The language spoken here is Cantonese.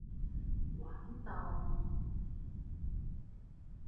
滾動